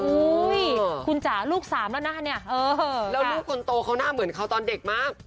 คุณจ๋าลูกสามแล้วนะคะเนี่ยแล้วลูกคนโตเขาหน้าเหมือนเขาตอนเด็กมาก